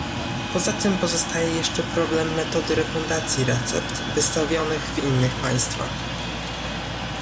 Poza tym pozostaje jeszcze problem metody refundacji recept wystawionych w innych państwach